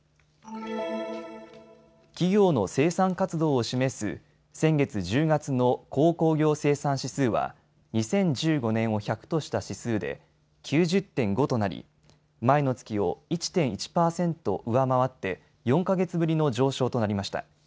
企業の生産活動を示す先月１０月の鉱工業生産指数は２０１５年を１００とした指数で９０．５となり前の月を１．１％上回って４か月ぶりの上昇となりました。